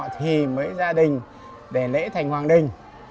thì mới ra đình để lễ thành hoàng đình